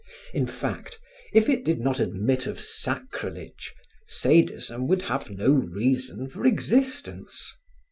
In fact, if it did not admit of sacrilege, sadism would have no reason for existence.